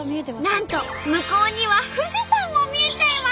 なんと向こうには富士山も見えちゃいます！